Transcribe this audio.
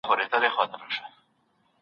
و باطل ته یې ترک کړئ عدالت دی